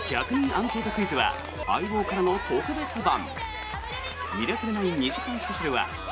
アンケートクイズは「相棒」からの特別版。